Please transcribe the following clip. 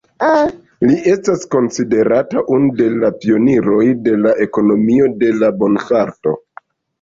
Li estas konsiderata unu de la pioniroj de la ekonomio de la bonfarto.